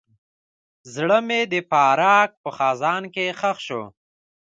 زړه مې د فراق په خزان کې ښخ شو.